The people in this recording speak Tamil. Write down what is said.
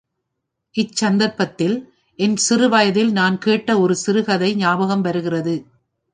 இச் சந்தர்ப்பத்தில் என் சிறு வயதில் நான் கேட்ட ஒரு சிறுகதை ஞாபகம் வருகிறது.